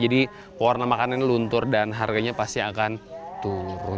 jadi warna makanan ini luntur dan harganya pasti akan turun